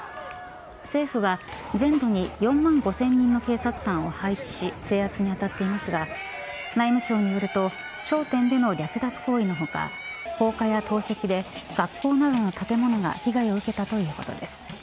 政府は全土に４万５０００人の警察官を配置し制圧に当たっていますが内務省によると商店での略奪行為の他放火や投石で学校などの建物が被害を受けたということです。